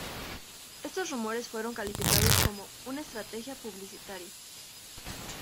Estos rumores fueron calificados como "una estrategia publicitaria".